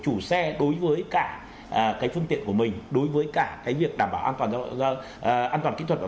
chủ xe đối với cả cái phương tiện của mình đối với cả cái việc đảm bảo an toàn giao an toàn kỹ thuật và